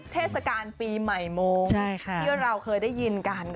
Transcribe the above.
ที่เราเคยได้ยินกัน